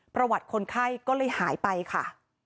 ประวัติคนไข้ก็เลยหายไปค่ะ